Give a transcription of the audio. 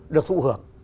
được thụ hưởng